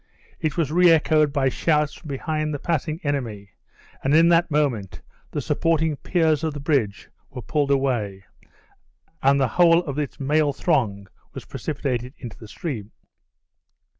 It was re echoed by shouts from behind the passing enemy, and in that moment the supporting piers of the bridge were pulled away, and the whole of its mailed throng was precipitated into the stream.